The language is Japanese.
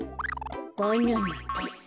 バナナです。